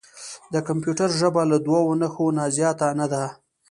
د کمپیوټر ژبه له دوه نښو نه زیاته نه ده.